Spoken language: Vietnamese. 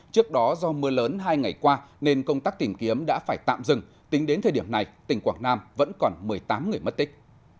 trước đó do mưa lớn hai ngày qua nên công tác tìm kiếm đã phải tạm dừng tính đến thời điểm này tỉnh quảng nam vẫn còn một mươi tám người mất tích